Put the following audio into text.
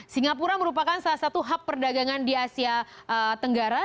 singapura merupakan salah satu hub perdagangan di asia tenggara